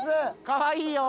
かわいいよ。